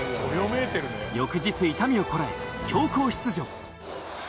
翌日痛みをこらえ強行出場。